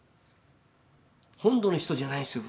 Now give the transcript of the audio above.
本土の人じゃないですよ